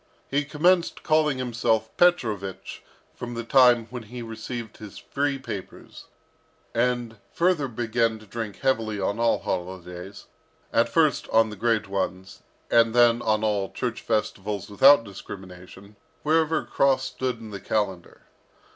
He commenced calling himself Petrovich from the time when he received his free papers, and further began to drink heavily on all holidays, at first on the great ones, and then on all church festivals without discrimination, wherever a cross stood in the calendar.